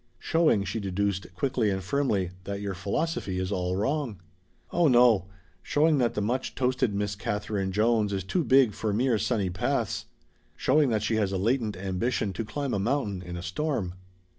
"Showing," she deduced quickly and firmly, "that your philosophy is all wrong." "Oh no; showing that the much toasted Miss Katherine Jones is too big for mere sunny paths. Showing that she has a latent ambition to climb a mountain in a storm."